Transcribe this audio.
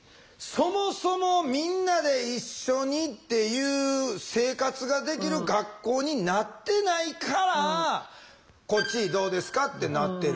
そもそもみんなで一緒にっていう生活ができる学校になってないから「こっちどうですか？」ってなってる。